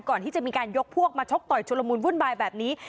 ก่อนที่จะมีการยกพวกมาชกต่อยชุลมูลวุ่นวายแบบนี้